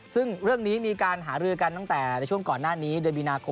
ซึ่งเรื่องนี้มีการหารือกันตั้งแต่ในช่วงก่อนหน้านี้เดือนมีนาคม